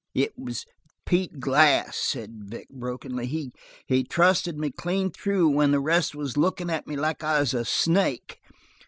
"It was Pete Glass," said Gregg brokenly. "He he trusted me clean through when the rest was lookin' at me like I was a snake.